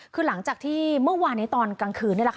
คือหลังจากที่เมื่อวานนี้ตอนกลางคืนนี่แหละค่ะ